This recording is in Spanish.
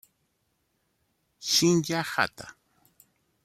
Shinya Hatta